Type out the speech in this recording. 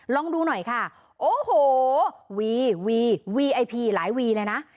ลองดูหน่อยค่ะโอ้โหวีวีไอพีหลายวีเลยนะ